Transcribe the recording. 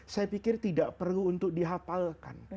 saya pikir tidak perlu di hafalkan